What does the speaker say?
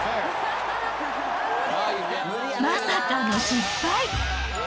まさかの失敗。